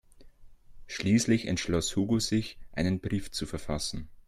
Schließlich entschloss Hugo sich, einen Brief zu verfassen.